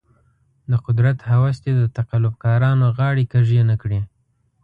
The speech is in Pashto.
د قدرت هوس دې د تقلب کارانو غاړې کږې نه کړي.